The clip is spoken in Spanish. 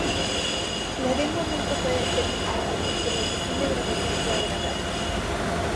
La demo nunca fue terminada, aunque la sesión de grabación fue agradable.